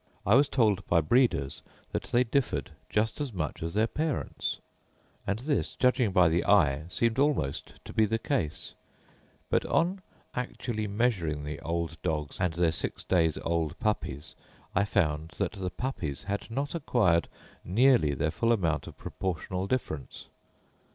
I was told by breeders that they differed just as much as their parents, and this, judging by the eye, seemed almost to be the case; but on actually measuring the old dogs and their six days old puppies, I found that the puppies had not acquired nearly their full amount of proportional difference.